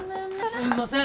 すんません